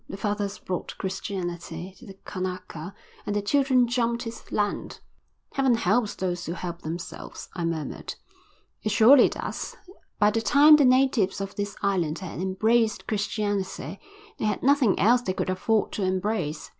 The fathers brought Christianity to the Kanaka and the children jumped his land." "Heaven helps those who help themselves," I murmured. "It surely does. By the time the natives of this island had embraced Christianity they had nothing else they could afford to embrace.